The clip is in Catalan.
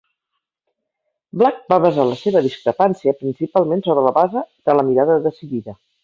Black va basar la seva discrepància principalment sobre la base de la "mirada decidida".